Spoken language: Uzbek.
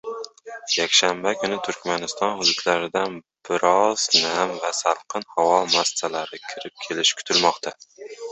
Yakshanba kuni Turkmaniston hududlaridan biroz nam va salqin havo massalari kirib kelishi kutilmoqda